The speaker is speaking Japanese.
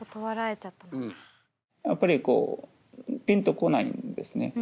やっぱりこうピンと来ないんですね